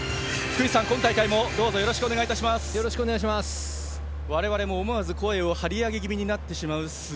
福西さん、今大会もどうぞよろしくお願いいたします。